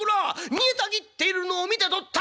煮えたぎっているのを見てとった！